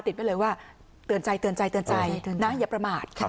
ติดไว้เลยว่าเตือนใจเตือนใจเตือนใจนะอย่าประมาท